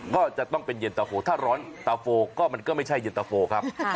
ก็จะต้องเป็นเย็นตะโฟถ้าร้อนตะโฟก็มันก็ไม่ใช่เย็นตะโฟครับ